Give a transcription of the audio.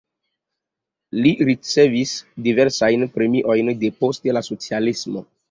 Li ricevis diversajn premiojn depost la socialismo.